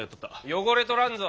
汚れとらんぞ。